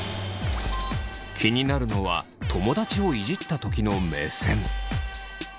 気になるのは友達をイジったときの目線。